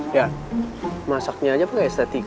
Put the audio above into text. ya masaknya aja pakai estetika